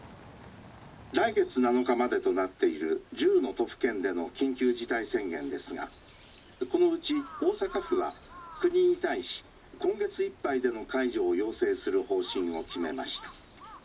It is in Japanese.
来月７日までとなっている１０の都府県での緊急事態宣言ですがこのうち大阪府は国に対し今月いっぱいでの解除を要請する方針を決めました。